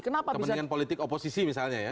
kepentingan politik oposisi misalnya ya